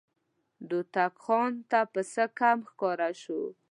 د هوتکو خان ته پسه کم ښکاره شو.